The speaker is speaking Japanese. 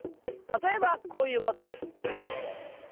たとえばこういうこと。